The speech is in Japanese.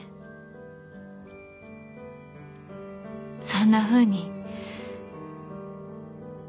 そんなふうに